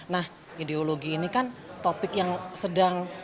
nah ideologi ini kan topik yang sedang